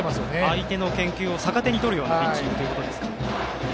相手の研究を逆手に取るようなピッチングということですか。